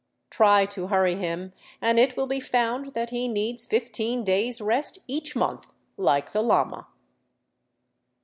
Try to hurry him and it will be found that he needs fifteen days rest each month, like the llama.